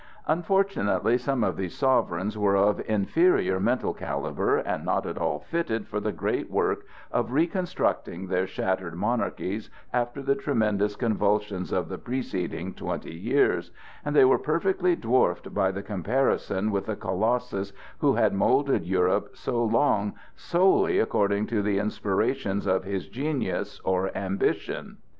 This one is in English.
Unfortunately some of these sovereigns were of inferior mental calibre and not at all fitted for the great work of reconstructing their shattered monarchies after the tremendous convulsions of the preceding twenty years, and they were perfectly dwarfed by a comparison with the colossus who had moulded Europe so long solely according to the inspirations of his genius or ambition.